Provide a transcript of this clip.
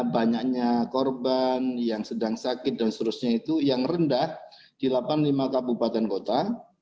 banyaknya korban yang sedang sakit dan seterusnya itu yang rendah di delapan puluh lima kabupaten kota